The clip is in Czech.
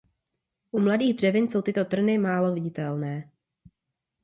U mladých dřevin jsou tyto trny málo viditelné.